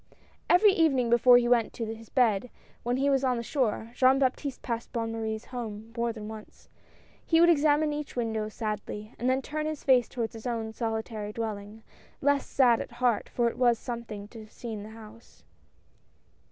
Every evening before he went to his bed, when he was on shore, Jean Baptiste passed Bonne Marie's house more than once. He would examine each win dow sadly, and then turn his face towards his own solitary dwelling, less sad at heart, for it was some thing to have seen the house.